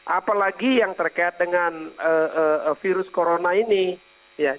apalagi yang terkait dengan virus corona ini ya